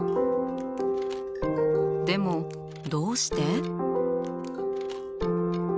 でもどうして？